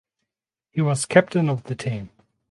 He was captain of the team.